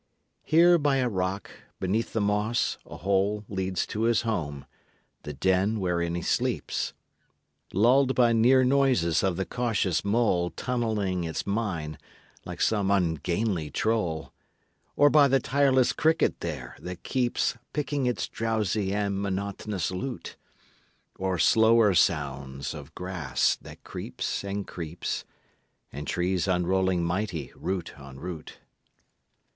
Here, by a rock, beneath the moss, a hole Leads to his home, the den wherein he sleeps; Lulled by near noises of the cautious mole Tunnelling its mine like some ungainly Troll Or by the tireless cricket there that keeps Picking its drowsy and monotonous lute; Or slower sounds of grass that creeps and creeps, And trees unrolling mighty root on root.